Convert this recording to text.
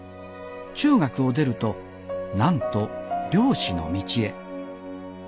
中学を出るとなんと漁師の道へ。